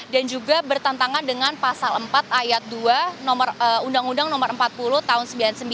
dan juga bertentangan dengan pasal empat ayat dua undang undang nomor empat puluh tahun sembilan puluh sembilan